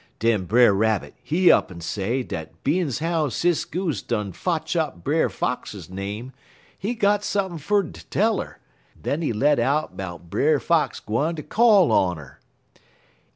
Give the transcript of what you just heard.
"Den Brer Rabbit, he up'n say dat bein's how Sis Goose done fotch up Brer Fox name, he got sump'n' fer ter tell 'er, en den he let out 'bout Brer Fox gwine ter call on 'er.